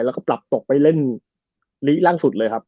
แล้วก็ปรับตกไปเล่นลีล่างสุดเลยครับ